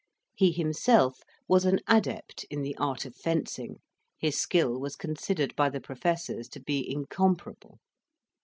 He himself was an adept in the art of fencing, his skill was considered by the professors to be incomparable.